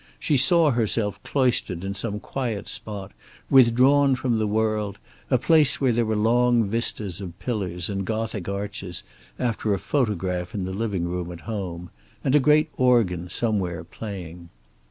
She saw herself cloistered in some quiet spot, withdrawn from the world; a place where there were long vistas of pillars and Gothic arches, after a photograph in the living room at home, and a great organ somewhere, playing.